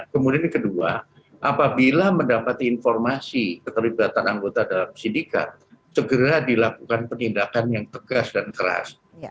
kemudian yang kedua apabila mendapat informasi keterlibatan anggota dalam sindikat segera dilakukan penindakan yang tegas dan keras